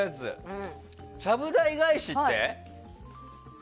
ちゃぶ台返しって？